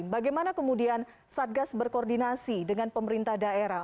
bagaimana kemudian satgas berkoordinasi dengan pemerintah daerah